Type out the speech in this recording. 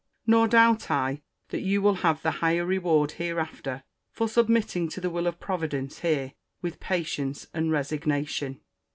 Nor doubt I, that you will have the higher reward hereafter for submitting to the will of Providence here with patience and resignation.